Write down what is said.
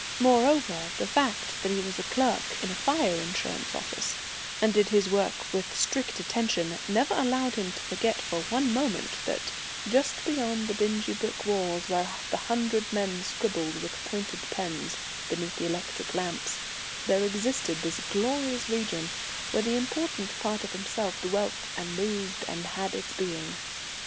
Moreover, the fact that he was a clerk in a fire insurance office, and did his work with strict attention, never allowed him to forget for one moment that, just beyond the dingy brick walls where the hundred men scribbled with pointed pens beneath the electric lamps, there existed this glorious region where the important part of himself dwelt and moved and had its being.